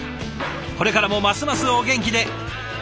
これからもますますお元気で！